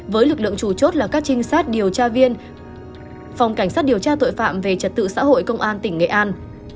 với lực lượng chủ chốt là các trinh sát điều tra viên phòng cảnh sát điều tra tội phạm về trật tự xã hội công an tỉnh nghệ an